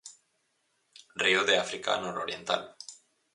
Río de África nororiental.